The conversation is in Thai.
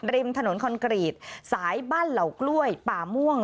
ริมถนนคอนกรีตสายบ้านเหล่ากล้วยป่าม่วง